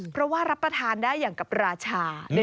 เพราะว่ารับประทานได้อย่างกับราชา